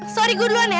sorry gue duluan ya